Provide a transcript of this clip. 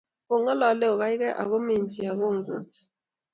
kengalale kokaikai ako minchi akungut